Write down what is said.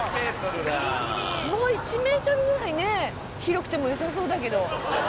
もう１メートルぐらいね広くてもよさそうだけど。